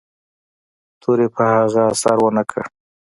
تورې په هغه اثر و نه کړ.